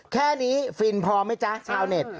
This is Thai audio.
แค่นี้ฟินพอไหมจ๊ะชาวเน็ต